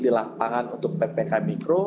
di lapangan untuk ppkm mikro